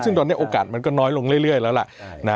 ซึ่งตอนนี้โอกาสมันก็น้อยลงเรื่อยแล้วล่ะ